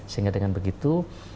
sehingga dengan begitu